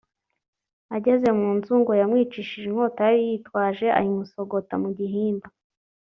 Ageze mu nzu ngo yamwicishije inkota yari yitwaje ayimusogota mu gihimba